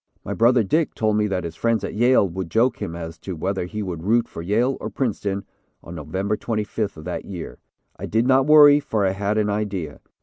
My brother, Dick, told me that his friends at Yale would joke him as to whether he would root for Yale or Princeton on November 25th of that year. I did not worry, for I had an idea.